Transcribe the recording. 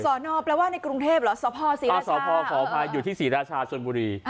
สอนอแปลว่าในกรุงเทพเหรอสพขออภัยอยู่ที่ศรีราชาชนบุรี